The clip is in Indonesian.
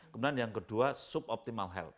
kemudian yang kedua suboptimal health